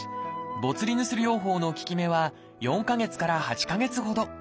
ボツリヌス療法の効き目は４か月から８か月ほど。